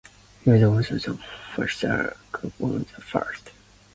He was also the father of Cleombrotus the First.